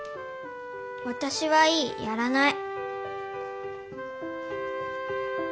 わたしはいいやらない。